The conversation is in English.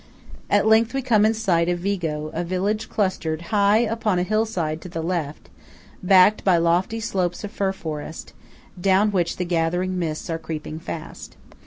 At length we come in sight of Vigo, a village clustered high upon a hill side to the left, backed by lofty slopes of fir forest, down which the gathering mists are creeping fast.